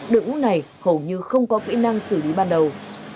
đội ngũ này hầu như không có kỹ năng xử lý ban đầu